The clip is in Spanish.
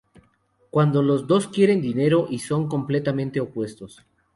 Cuando los dos quieren dinero y son completamente opuestos.